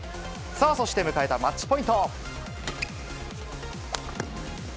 さあ、そして迎えたマッチポイント。